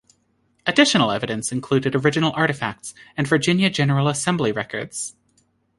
Additional evidence included original artifacts and Virginia General Assembly records.